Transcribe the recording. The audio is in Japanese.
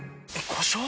故障？